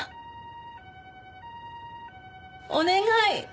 お願い！